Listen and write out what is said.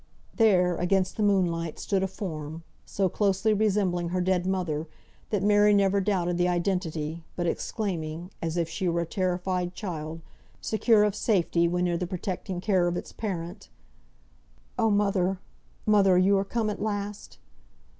There, against the moonlight, stood a form, so closely resembling her dead mother, that Mary never doubted the identity, but exclaiming (as if she were a terrified child, secure of safety when near the protecting care of its parent) "Oh! mother! mother! You are come at last!"